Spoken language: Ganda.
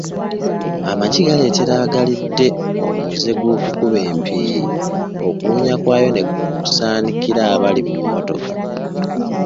Amagi galeetera agalidde omuze gw’okukuba empiiyi, okuwunya kwayo ne kusaanikira abali mu mmotoka.